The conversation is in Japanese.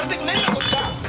こっちは。